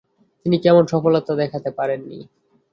তিনি তেমন সফলতা দেখাতে পারেননি।